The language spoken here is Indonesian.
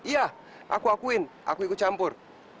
iya aku akuin aku ikucampur